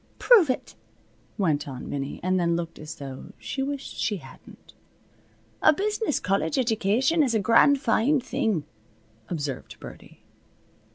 "Prove it," went on Minnie, and then looked as though she wished she hadn't. "A business college edjication is a grand foine thing," observed Birdie.